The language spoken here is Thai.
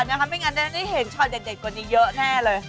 ตอนนี้ล่ะไม่งั้นจะได้เห็นฉ่อนเด็ดกว่านี้เยอะแน่เลย